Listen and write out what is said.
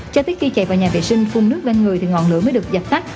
cho tiếc khi chạy vào nhà vệ sinh phun nước lên người thì ngọn lửa mới được dập tắt